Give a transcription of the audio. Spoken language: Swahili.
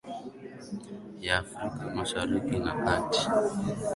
ya afrika mashariki na kati